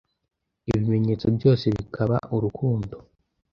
ibimenyetso byose bikaba urukundo